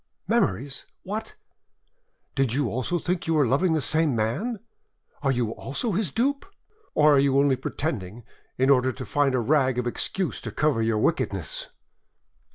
"Memories? What! did you also think you were loving the same man? Are you also his dupe? Or are you only pretending, in order to find a rag of excuse to cover your wickedness?"